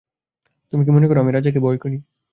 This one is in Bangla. তুমি কি মনে কর আমি রাজাকে ভয় করি।